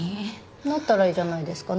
なったらいいじゃないですか。